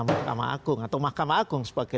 mahkamah agung atau mahkamah agung sebagai